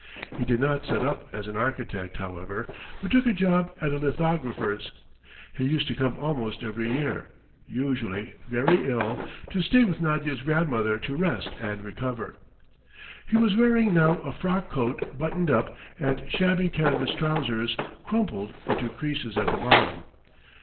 He did not set up as an architect, however, but took a job at a lithographer's. He used to come almost every year, usually very ill, to stay with Nadya's grandmother to rest and recover. He was wearing now a frock coat buttoned up, and shabby canvas trousers, crumpled into creases at the bottom.